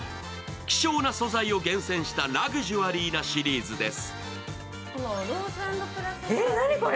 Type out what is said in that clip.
希少な素材を厳選したラクジュアリーなシリーズです。